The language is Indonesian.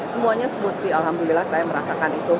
semuanya smooth sih alhamdulillah saya merasakan itu